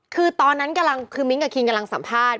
คือตอนนั้นกำลังคือมิ้งกับคิงกำลังสัมภาษณ